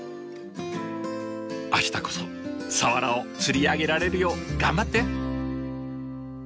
明日こそサワラを釣り上げられるよう頑張って！